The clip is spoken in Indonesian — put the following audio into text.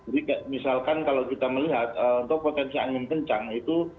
jadi misalkan kalau kita melihat untuk potensi angin kencang itu